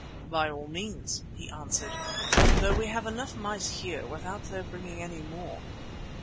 "By all means," he answered, "though we have enough mice here without their bringing any more.